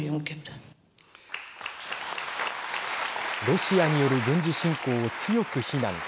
ロシアによる軍事侵攻を強く非難。